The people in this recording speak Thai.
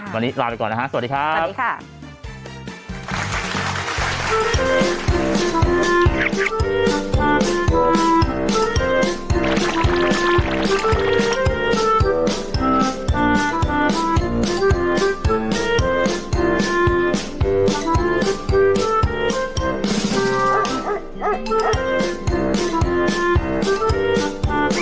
วันนี้ลาไปก่อนนะฮะสวัสดีครับ